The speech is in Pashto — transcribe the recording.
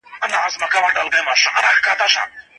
تاسو ولي په دغه پلمې کي ځان پټوئ؟